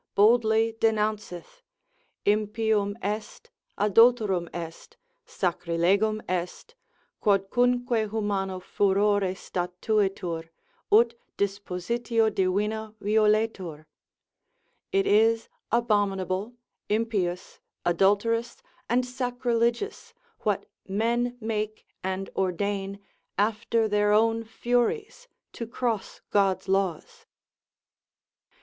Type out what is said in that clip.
boldly denounceth, impium est, adulterum est, sacrilegum est, quodcunque humano furore statuitur, ut dispositio divina violetur, it is abominable, impious, adulterous, and sacrilegious, what men make and ordain after their own furies to cross God's laws.